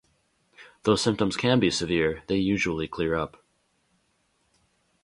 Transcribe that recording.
Though symptoms can be severe, they usually clear up.